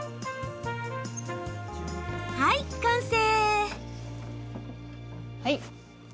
はい、完成！